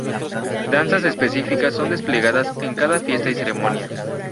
Danzas específicas son desplegadas en cada fiesta y ceremonia.